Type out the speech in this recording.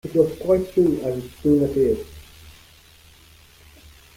It was quite true, as it soon appeared.